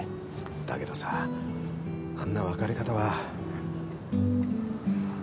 だけどさあんな別れ方は。